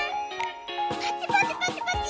パチパチパチパチ。